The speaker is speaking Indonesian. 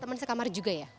teman sekamar juga ya